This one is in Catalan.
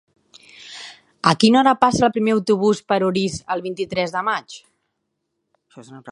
A quina hora passa el primer autobús per Orís el vint-i-tres de maig?